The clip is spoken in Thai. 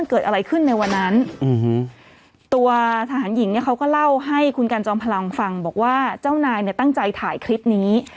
เกิดอะไรขึ้นในวันนั้นตัวทหารหญิงเนี่ยเขาก็เล่าให้คุณกันจอมพลังฟังบอกว่าเจ้านายเนี่ยตั้งใจถ่ายคลิปนี้